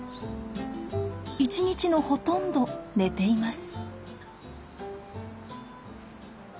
一日のほとんど寝ています。